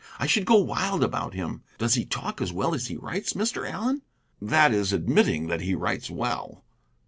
I should go wild about him. Does he talk as well as he writes, Mr. Allen?" "That is admitting that he writes well."